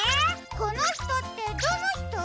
このひとってどのひと？